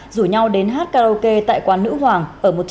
rủ nhau đến hát karaoke tại quán nữ hoàng